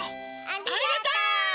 ありがとう！